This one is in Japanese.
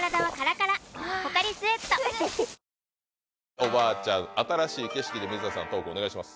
「おばあちゃん」「新しい景色」で水田さんトークお願いします。